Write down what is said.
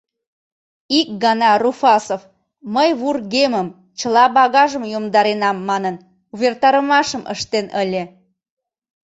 Ик гана Руфасов, «мый вургемым, чыла багажым йомдаренам» манын, увертарымашым ыштен ыле.